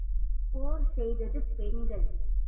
போர் செய்தது பெண்கள்.